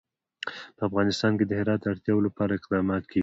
په افغانستان کې د هرات د اړتیاوو لپاره اقدامات کېږي.